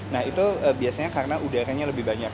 nah itu biasanya karena udaranya lebih banyak